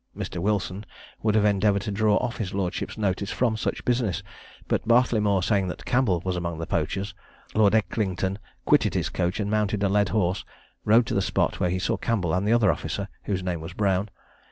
Mr. Wilson would have endeavoured to draw off his lordship's notice from such a business; but Bartleymore saying that Campbell was among the poachers, Lord Eglinton quitted his coach, and mounting a led horse, rode to the spot, where he saw Campbell and the other officer, whose name was Brown.